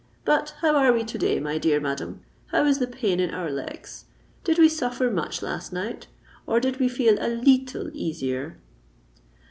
But how are we to day, my dear madam? how is the pain in our legs? did we suffer much last night? or did we feel a leetle easier?"